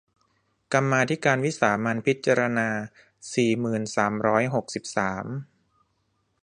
กรรมาธิการวิสามัญพิจารณา สี่หมื่นสามร้อยหกสิบสาม